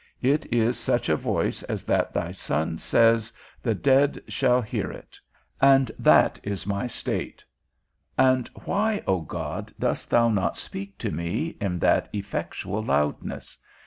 It is such a voice as that thy Son says, the dead shall hear it; and that is my state. And why, O God, dost thou not speak to me, in that effectual loudness?